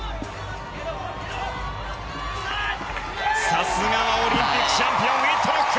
さすがはオリンピックチャンピオンウィットロック！